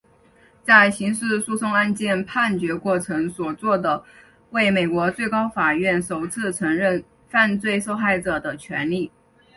在刑事诉讼案件判决过程所做的为美国最高法院首次承认犯罪受害者的权利。